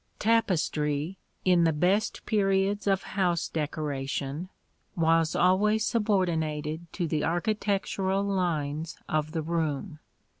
Tapestry, in the best periods of house decoration, was always subordinated to the architectural lines of the room (see Plate XI).